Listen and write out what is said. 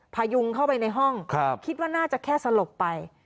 พยุงเข้าไปในห้องคิดว่าน่าจะแค่สลบไป